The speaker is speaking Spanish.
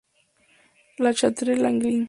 La Châtre-Langlin